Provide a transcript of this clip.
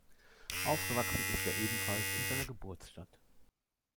Aufgewachsen ist er ebenfalls in seiner Geburtsstadt.